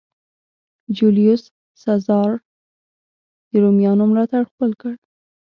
جیولیوس سزار د رومیانو ملاتړ خپل کړ.